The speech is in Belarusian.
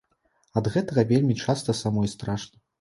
Ад гэтага вельмі часта самой страшна.